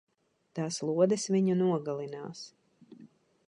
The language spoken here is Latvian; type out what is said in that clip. Tās lodes viņu nogalinās!